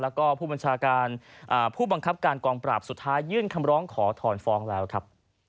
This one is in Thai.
แล้วก็ผู้บัญชาการผู้บังคับการกองปราบสุดท้ายยื่นคำร้องขอถอนฟ้องแล้วครับ